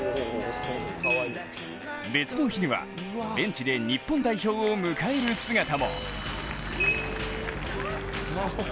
別の日にはベンチで日本代表を迎える姿も。